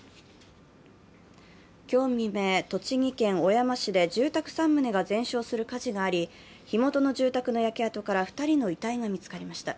今日未明、栃木県小山市で住宅３棟が全焼する火事があり、火元の住宅の焼け跡から２人の遺体が見つかりました。